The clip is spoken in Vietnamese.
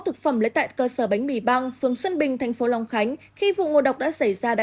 thực phẩm lấy tại cơ sở bánh mì băng phương xuân bình tp long khánh khi vụ ngộ độc đã xảy ra đã